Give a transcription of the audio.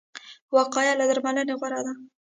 وقایه له درملنې غوره ده